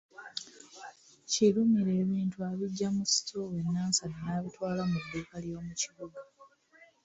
Kirumira ebintu abiggya mu sitoowa e Nansana n'abitwala mu dduuka ly'omu kibuga.